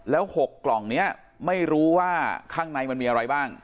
แล้ว๖กล่องนี้ไม่รู้ว่าข้างในมันมีอะไรบ้าง